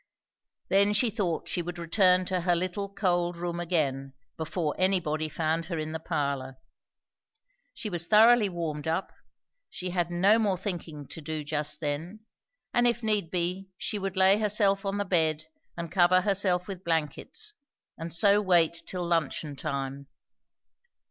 Then she thought she would return to her little cold room again, before anybody found her in the parlour. She was thoroughly warmed up, she had no more thinking to do just then; and if need be she would lay herself on the bed and cover herself with blankets, and so wait till luncheon time.